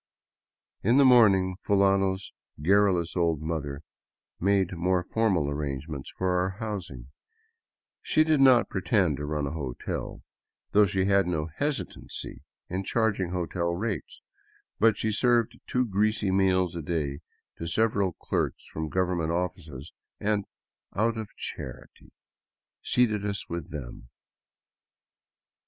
In the morning Fulano's garrulous old mother made more formal arrangements for our housing. She did not pretend to run a hotel — though she had no hesitancy in charging hotel rates — but she served two greasy meals a day to several clerks from the government offices and, " out of charity," seated us with them.